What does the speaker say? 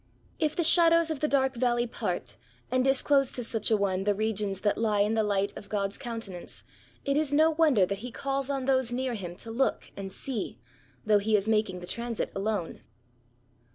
If the shadows of the dark valley part, and disclose to such an one the regions that lie in the light of « God's countenance, it is no wonder that he calls on those near him to look and see, though he is making the transit alone.